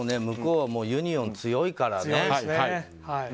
向こうはユニオンが強いですからね。